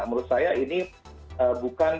menurut saya ini bukan